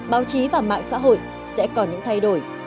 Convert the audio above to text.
báo chí và mạng xã hội sẽ có những thay đổi